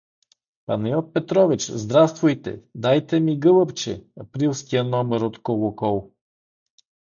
— Панайот Петрович, здравствуйте, дайте ми, гълъбче, априлския номер от „Колокол“.